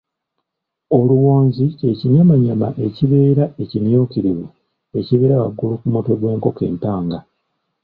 Oluwonzi kye kinyamanyama ekibeera ekimyukirivu ekibeera waggulu ku mutwe gw’enkoko empanga.